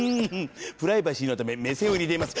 プライバシーのため目線を入れています。